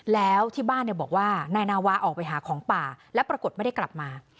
แล้วที่บ้านบอกว่านายนาวาออกไปหาของป่าแล้วปรากฏไม่ได้กลับมา